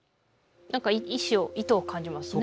何か意志を意図を感じますね。